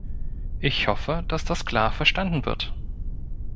Ich hoffe, dass das klar verstanden wird.